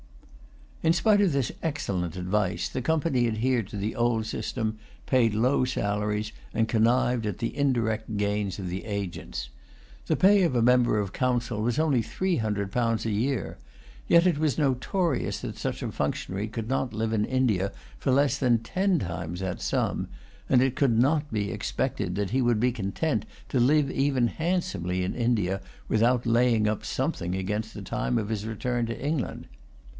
In spite of this excellent advice, the Company adhered the old system, paid low salaries, and connived at the indirect gains of the agents. The pay of a member of Council was only three hundred pounds a year. Yet it was notorious that such a functionary could not live in India for less than ten times that sum; and it could not be expected that he would be content to live even handsomely in India without laying up something against the time of his return to England.